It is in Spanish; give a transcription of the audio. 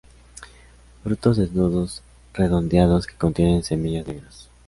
Frutos desnudos redondeados, que contienen semillas negras.